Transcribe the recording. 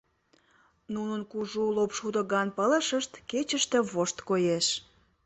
Нунын кужу лопшудо ган пылышышт кечыште вошт коеш.